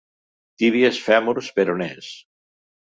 Tíbies, fèmurs, peronés...